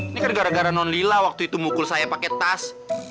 ini kan gara gara non lila waktu itu mukul saya pakai tas